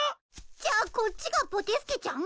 じゃあこっちがポテ助ちゃん？